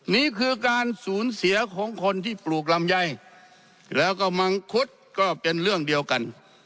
นี่คือการสูญเสียของคนที่ปลูกลำไยแล้วก็มังคุดก็เป็นเรื่องเดียวกัน